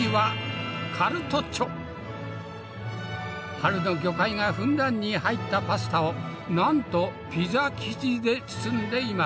春の魚介がふんだんに入ったパスタをなんとピザ生地で包んでいます。